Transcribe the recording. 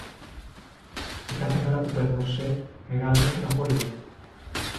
Και κάθε μέρα που περνούσε, μεγάλωνε η στενοχώρια μου.